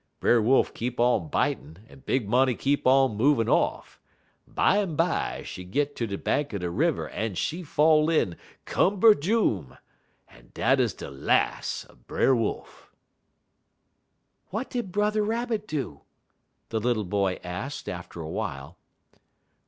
"Brer Wolf keep on bitin', en Big Money keep on movin' off. Bimeby, she git ter de bank er de river, en she fall in cumberjoom! en dat 'uz de las' er Brer Wolf." "What did Brother Rabbit do?" the little boy asked, after a while.